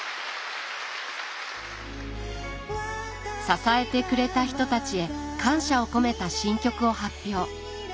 支えてくれた人たちへ感謝を込めた新曲を発表。